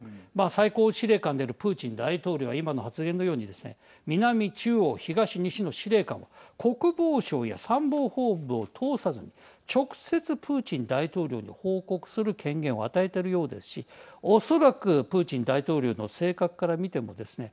最高司令官であるプーチン大統領の今の発言のようにですね南、中央、東、西の司令官は国防省や参謀本部を通さずに直接プーチン大統領に報告する権限を与えているようですしおそらくプーチン大統領の性格から見てもですね